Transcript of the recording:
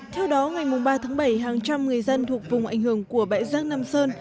theo đó ngày ba tháng bảy hàng trăm người dân thuộc vùng ảnh hưởng của bãi rác nam sơn